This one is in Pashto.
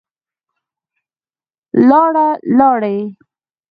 لاړه, لاړې